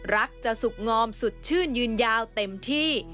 รักจะสุขงอมสุดชื่นยืนยาวเต็มที่